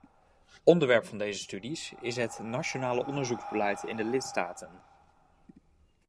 Onderwerp van deze studies is het nationale onderzoeksbeleid in de lidstaten.